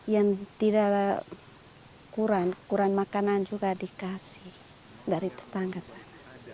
yang tidak kurang kurang makanan juga dikasih dari tetangga saya